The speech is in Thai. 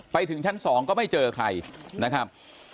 ไปถึงชั้น๒ก็ไม่เจอใครนะครับ